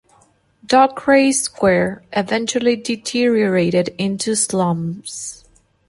Dockwray Square eventually deteriorated into slums.